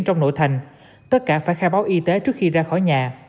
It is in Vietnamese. trong nội thành tất cả phải khai báo y tế trước khi ra khỏi nhà